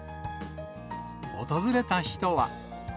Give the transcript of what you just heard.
訪れた人は。